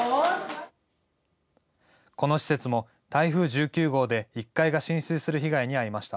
この施設も台風１９号で１階が浸水する被害に遭いました。